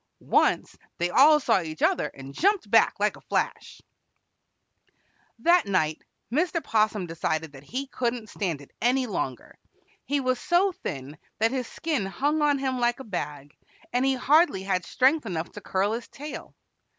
Once they all saw each other, and jumped back like a flash. [Illustration: GOT UP SOFTLY AND DRESSED.] That night Mr. 'Possum decided that he couldn't stand it any longer. He was so thin that his skin hung on him like a bag, and he hardly had strength enough to curl his tail.